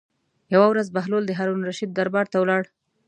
یوه ورځ بهلول د هارون الرشید دربار ته ولاړ.